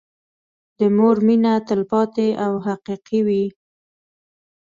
د مور مينه تلپاتې او حقيقي وي.